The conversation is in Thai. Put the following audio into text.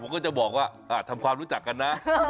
ผมก็จะบอกว่าทำความรู้จักกันนะ